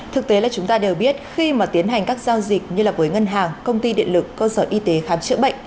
thực tế là chúng ta đều biết khi mà tiến hành các giao dịch như với ngân hàng công ty điện lực cơ sở y tế khám chữa bệnh